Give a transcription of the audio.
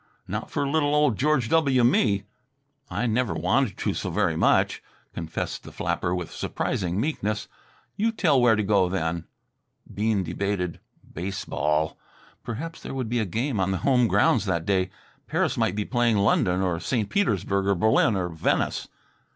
Not for little old George W. Me!" "I never wanted to so very much," confessed the flapper with surprising meekness. "You tell where to go, then." Bean debated. Baseball! Perhaps there would be a game on the home grounds that day. Paris might be playing London or St. Petersburg or Berlin or Venice.